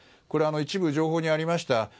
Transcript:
これは一部情報にありました